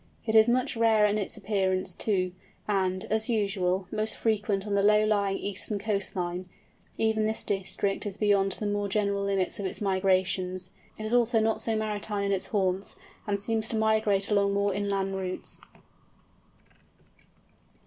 It is much rarer in its appearance, too, and, as usual, most frequent on the low lying eastern coast line; even this district is beyond the more general limits of its migrations. It is also not so maritime in its haunts, and seems to migrate along more inland routes.